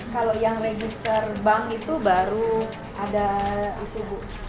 kalau yang register bank itu baru ada itu bu